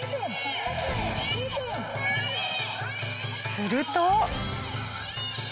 すると。